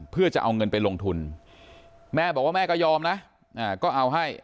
เพื่อจะเอาเงินไปลงทุนแม่บอกว่าแม่ก็ยอมนะก็เอาให้